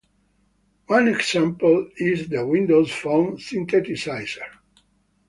One example is the Windows Phone Synthesizer.